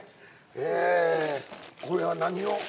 ええこれは何を？